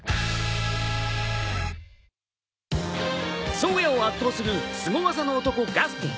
颯也を圧倒するすご技の男ガスティン。